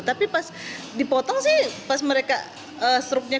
tapi pas dipotong sih pas mereka struknya